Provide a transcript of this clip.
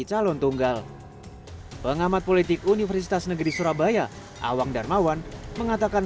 calon tunggal pengamat politik universitas negeri surabaya awang darmawan mengatakan